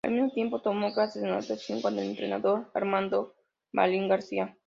Al mismo tiempo, tomó clases de natación con el entrenador Armando Marin García.